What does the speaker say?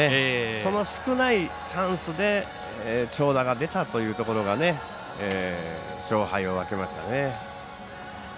その少ないチャンスで長打が出たというのが勝敗を分けましたね。